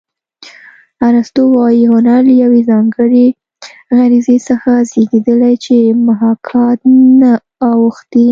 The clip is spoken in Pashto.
ارستو وايي هنر له یوې ځانګړې غریزې څخه زېږېدلی چې محاکات ته اوښتې